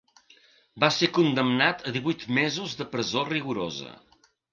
Va ser condemnat a divuit mesos de presó rigorosa.